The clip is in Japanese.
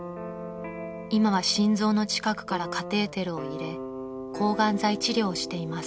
［今は心臓の近くからカテーテルを入れ抗がん剤治療をしています］